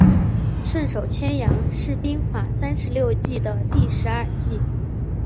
顺手牵羊是兵法三十六计的第十二计。